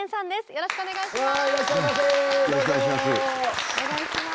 よろしくお願いします。